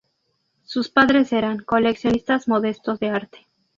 Sus padres eran ¨coleccionistas modestos de arte¨.